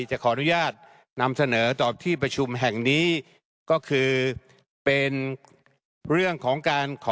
จะขออนุญาตนำเสนอต่อที่ประชุมแห่งนี้ก็คือเป็นเรื่องของการขอ